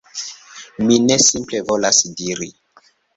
Mi ne simple volas diri: